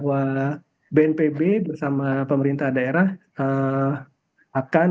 seperti yang kita lihat diwawasan